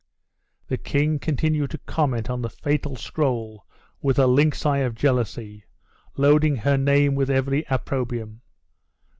The king continued to comment on the fatal scroll with the lynx eye of jealousy, loading her name with every opprobrium.